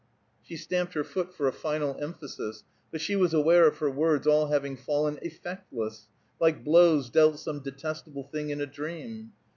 She stamped her foot for a final emphasis, but she was aware of her words all having fallen effectless, like blows dealt some detestable thing in a dream.